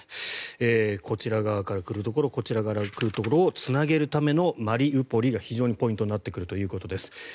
こちら側から来るところとこちら側から来るところをつなげるためのマリウポリが非常にポイントになってくるということです。